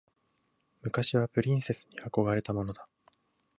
昔はプリンセスに憧れたものだ。